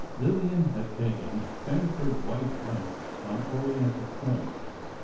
Lillian had taken Stanford White's house on Orienta Point.